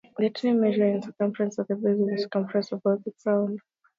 The tree measures in circumference at the base and in circumference above the ground.